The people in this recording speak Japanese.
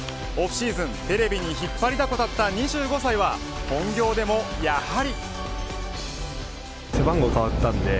オフシーズン、テレビに引っ張りだこだった２５歳は本業でもやはり。